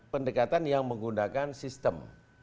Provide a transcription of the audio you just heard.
pendekatan yang menggunakan sistem